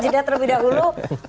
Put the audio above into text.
jeda terlebih dahulu